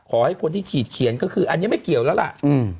ขอให้คนที่ขีดเขียนก็คืออันนี้ไม่เกี่ยวแล้วล่ะ